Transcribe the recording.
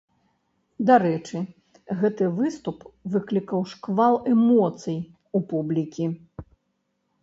Дарэчы, гэты выступ выклікаў шквал эмоцый у публікі.